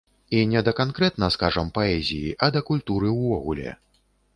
І не да канкрэтна, скажам, паэзіі, а да культуры ўвогуле.